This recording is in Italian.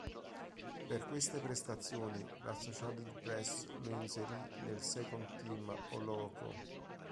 Per queste prestazioni, l'Associated Press lo inserì nel Second-team All-Pro.